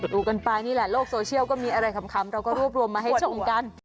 ดูกันไปนี่เหล่ะโลกโทรเชียลก็มีอะไรครำ